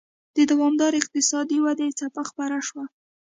د دوامدارې اقتصادي ودې څپه خپره شوه.